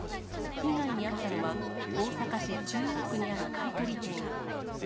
被害に遭ったのは、大阪市中央区にある買い取り店。